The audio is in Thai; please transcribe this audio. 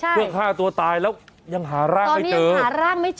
เพื่อฆ่าตัวตายแล้วยังหารากไม่เจอ